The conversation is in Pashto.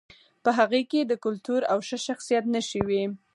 په هغې کې د کلتور او ښه شخصیت نښې وې